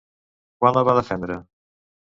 Quan la va defendre?